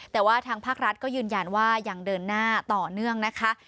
แต่ว่าทางภาครัฐก็ยืนยันว่ายังเดินหน้าต่อเนื่องนะคะ